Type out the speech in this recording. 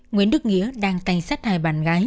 nguyễn đức nghĩa đang tành sát hai bạn gái